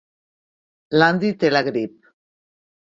L'Andy té la grip.